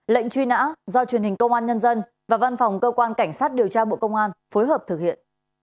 lệnh truy nã do truyền hình công an nhân dân và văn phòng cơ quan cảnh sát điều tra bộ công an phối hợp thực hiện